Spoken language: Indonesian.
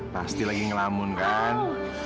pasti lagi ngelamun kan